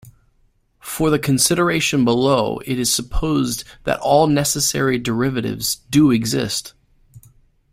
For the consideration below it is supposed that all necessary derivatives do exist.